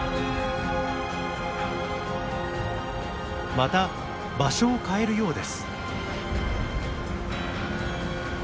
また場所を変えるようです。